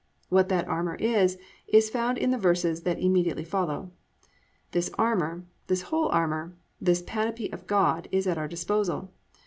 "+ What that armour is, is found in the verses that immediately follow. This armour, this whole armour, this "panoply of God," is at our disposal.